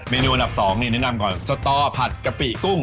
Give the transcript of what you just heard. นูอันดับ๒นี่แนะนำก่อนสตอผัดกะปิกุ้ง